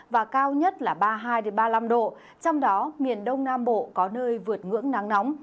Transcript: và cao nhất là ba mươi hai ba mươi năm độ trong đó miền đông nam bộ có nơi vượt ngưỡng nắng nóng